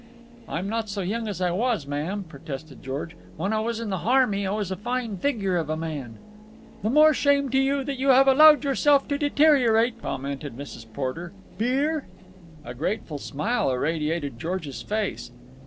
"I'm not so young as I was, ma'am," protested George. "When I was in the harmy I was a fine figure of a man." "The more shame to you that you have allowed yourself to deteriorate," commented Mrs. Porter. "Beer?" A grateful smile irradiated George's face.